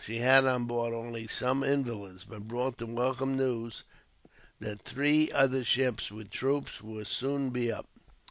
She had on board only some invalids, but brought the welcome news that three other ships, with troops, would soon be up.